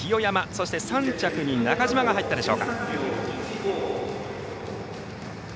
そして３着に中島が入ったでしょうか。